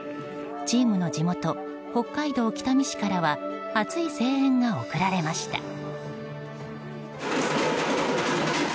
チームの地元北海道北見市からは熱い声援が送られました。